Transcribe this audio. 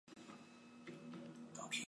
世界上也有很多类似的故事。